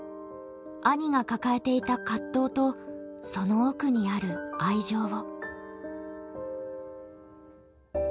兄が抱えていた葛藤とその奥にある愛情を。